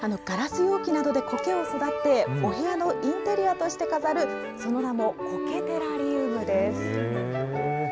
ガラス容器などでこけを育て、お部屋のインテリアとして飾る、その名もこけテラリウムです。